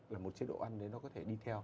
là một chế độ ăn đấy nó có thể đi theo